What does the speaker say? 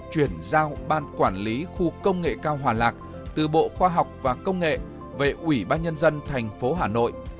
chuyển giao ban quản lý khu công nghệ cao hòa lạc từ bộ khoa học và công nghệ về ủy ban nhân dân thành phố hà nội